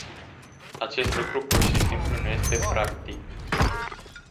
Acest lucru pur și simplu nu este practic.